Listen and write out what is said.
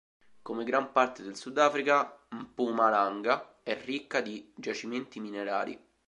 Come gran parte del Sudafrica, Mpumalanga è ricca di giacimenti minerari.